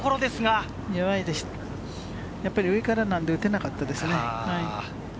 やっぱり上からなので、打てなかったですね。